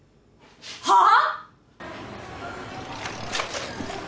はあ！？